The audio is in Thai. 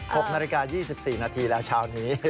ครบนาฬิกา๒๔นาทีแล้วชาวนี้